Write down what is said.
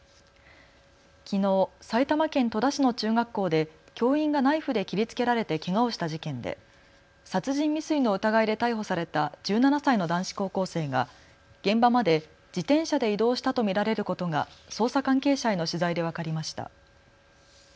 きのう埼玉県戸田市の中学校で教員がナイフで切りつけられてけがをした事件で殺人未遂の疑いで逮捕された１７歳の男子高校生が現場まで自転車で移動したと見られることが捜査関係者への取材で分かりました。